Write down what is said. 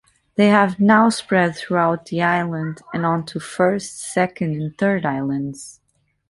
They have now spread throughout the island and onto First, Second and Third Islands.